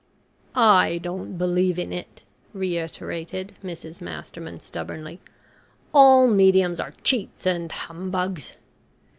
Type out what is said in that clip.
"I don't believe in it," reiterated Mrs Masterman stubbornly. "All mediums are cheats and humbugs."